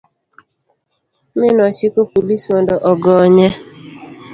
mi nochiko polis mondo ogonye.